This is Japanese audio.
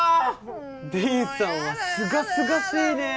びんさんはすがすがしいねぇ。